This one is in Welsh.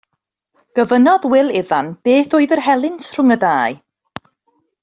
Gofynnodd Wil Ifan beth oedd yr helynt rhwng y ddau.